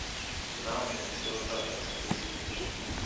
The mountain is still a subject of research.